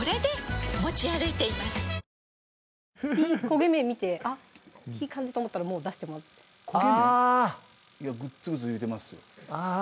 焦げ目見ていい感じと思ったらもう出してもらってあぁ